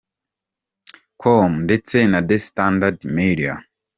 com ndetse na The Standard Media.